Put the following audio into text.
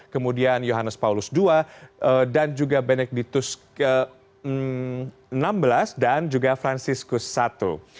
kemudian johannes paulus ii dan juga benedictus xvi dan juga franciscus i